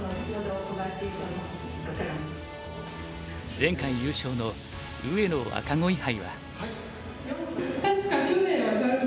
前回優勝の上野若鯉杯は。